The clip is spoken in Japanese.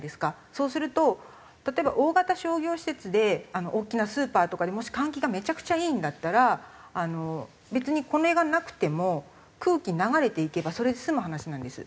そうすると例えば大型商業施設で大きなスーパーとかでもし換気がめちゃくちゃいいんだったら別にこれがなくても空気流れていけばそれで済む話なんです。